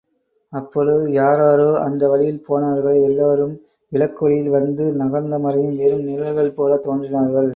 அப்பொழுது, யாராரோ அந்த வழியிலே போனவர்கள் எல்லோரும் விளக்கொளியில் வந்து நகர்ந்துமறையும் வெறும் நிழல்கள்போல் தோன்றினார்கள்.